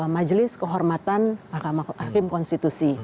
majelis kehormatan hakim konstitusi